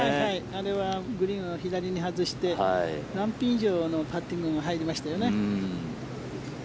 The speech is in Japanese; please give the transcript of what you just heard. あれはグリーンを左に外してワンピン以上のパッティングが入りましたよね。